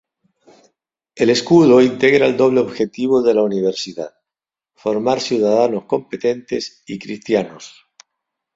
El escudo integra el doble objetivo de la universidad, formar ciudadanos competentes y cristianos.